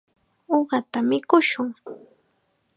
Uqata mikushun.